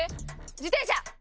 自転車。